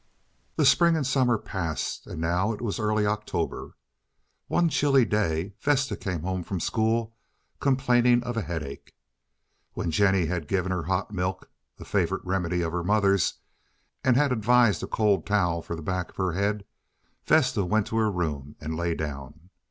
The spring and summer passed, and now it was early in October. One chilly day Vesta came home from school complaining of a headache. When Jennie had given her hot milk—a favorite remedy of her mother's—and had advised a cold towel for the back of her head, Vesta went to her room and lay down.